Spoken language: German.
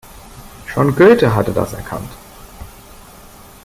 Schon Goethe hatte das erkannt.